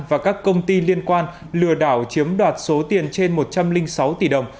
và các công ty liên quan lừa đảo chiếm đoạt số tiền trên một trăm linh sáu tỷ đồng